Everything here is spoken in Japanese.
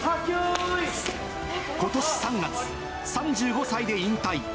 ことし３月、３５歳で引退。